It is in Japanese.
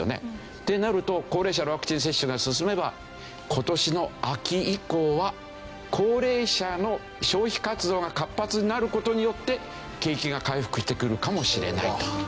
ってなると高齢者のワクチン接種が進めば今年の秋以降は高齢者の消費活動が活発になる事によって景気が回復してくるかもしれないと。